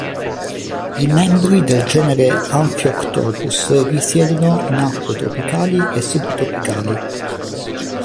I membri del genere "Amphioctopus" risiedono in acque tropicali e subtropicali.